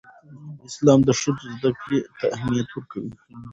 اسلام د ښځو زدهکړې ته اهمیت ورکوي.